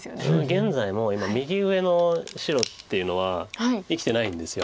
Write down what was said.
現在も今右上の白っていうのは生きてないんです。